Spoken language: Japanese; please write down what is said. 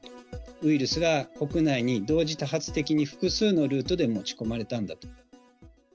ウイルスが国内に同時多発的に複数のルートで持ち込まれたんだと。